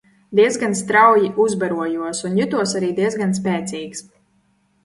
Diezgan strauji uzbarojos un jutos arī diezgan spēcīgs.